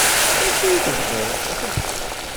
D acu i tebɣiḍ?